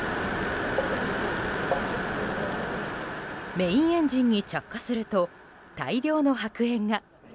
メインエンジンに着火すると大量の白煙が。